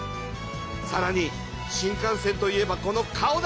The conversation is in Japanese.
さらに新幹線といえばこの顔だ。